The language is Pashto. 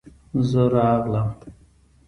زه راغلم.